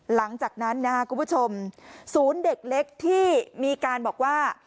หลังจากนั้นนะครับคุณผู้ชมศูนย์เด็กเล็กที่มีการบอกว่า